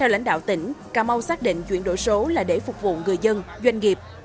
lãnh đạo tỉnh cà mau xác định chuyển đổi số là để phục vụ người dân doanh nghiệp